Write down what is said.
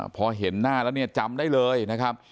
พอเห็นหน้าแล้วเนี่ยจำได้เลยนะครับ